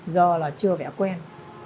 do là chưa vẽ quen